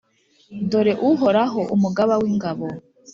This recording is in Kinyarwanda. dore Uhoraho, Umugaba w’ingabo,